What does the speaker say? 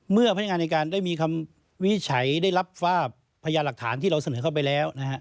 เมื่อพันธ์งานในการได้มีคำวิชัยได้รับฝ้าพยานหลักฐานที่เราเสนอเข้าไปแล้ว